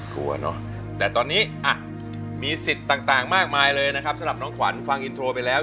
กลัวเนอะแต่ตอนนี้มีสิทธิ์ต่างมากมายเลยนะครับสำหรับน้องขวัญฟังอินโทรไปแล้ว